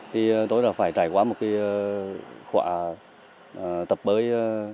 thì tôi đã phải trải qua một khóa tập bơi